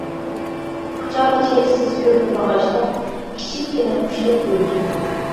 ئۇچار چەكسىز كۆكنى باغاشلاپ، كىچىككىنە قۇشتەك يۈرىكىم.